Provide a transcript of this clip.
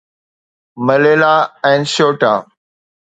Ceuta ۽ Melilla